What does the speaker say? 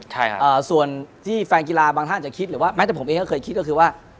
ใช่ครับเอ่อส่วนที่แฟนกีฬาบางท่านอาจจะคิดหรือว่าแม้แต่ผมเองก็เคยคิดก็คือว่า